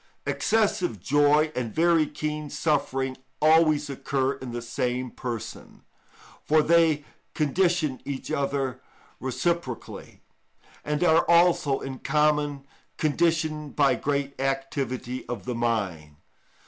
Excessive joy and very keen suffering always occur in the same person, for they condition each other reciprocally, and are also in common conditioned by great activity of the mind.